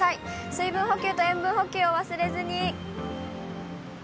水分補給と塩分補給を忘れずに。